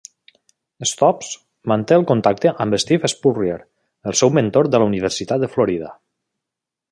Stoops manté el contacte amb Steve Spurrier, el seu mentor de la Universitat de Florida.